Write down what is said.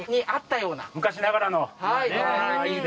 昔ながらの！